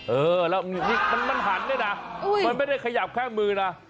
เออแล้วนี่มันหันด้วยนะมันไม่ได้ขยับแค่มือนะ